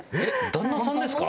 旦那さんですか？